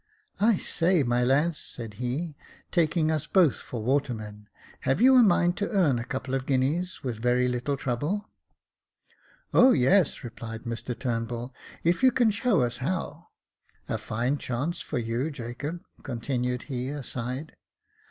"I say, my lads," said he, taking us both for watermen, "have you a mind to earn a couple of guineas, with very little trouble ?" "O yes," replied Mr Turnbull, "if you can show us how. A fine chance for you, Jacob," continued he, aside.